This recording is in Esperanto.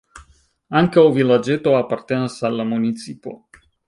Ankaŭ vilaĝeto apartenas al la municipo.